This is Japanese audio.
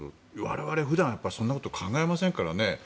我々は普段そんなこと考えませんからね。